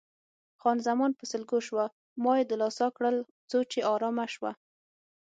خان زمان په سلګو شوه، ما یې دلاسا کړل څو چې آرامه شوه.